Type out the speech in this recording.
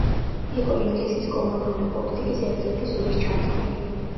იყო ინგლისის კოლონიური პოლიტიკის ერთ-ერთი სულისჩამდგმელი.